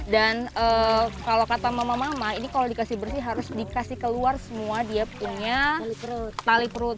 dan kalau kata mama mama ini kalau dikasih bersih harus dikasih keluar semua dia punya tali perut